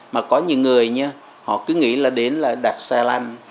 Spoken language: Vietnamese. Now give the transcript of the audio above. mà có những người nhé họ cứ nghĩ là đến là đặt xe lăn